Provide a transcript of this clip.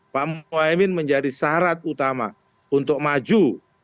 pak muhaymin menjadi syarat utama untuk maju